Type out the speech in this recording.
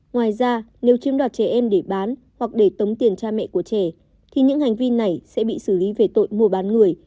ngoài ra nếu chiếm đoạt trẻ em để bán hoặc để tống tiền cha mẹ của trẻ thì những hành vi này sẽ bị xử lý về tội mua bán người